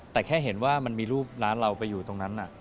แต่แค่เห็นว่ามันมีรูปร้านเราไปอยู่ตรงนั้น